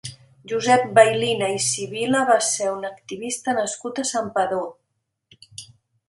Josep Bailina i Sivila va ser un activista nascut a Santpedor.